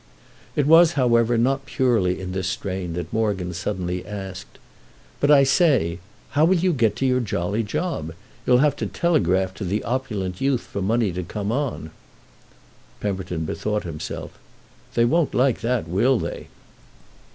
It was, however, not purely in this strain that Morgan suddenly asked: "But I say—how will you get to your jolly job? You'll have to telegraph to the opulent youth for money to come on." Pemberton bethought himself. "They won't like that, will they?"